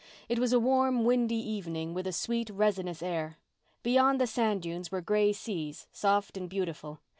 It was a warm, windy evening with a sweet, resinous air. Beyond the sand dunes were gray seas, soft and beautiful.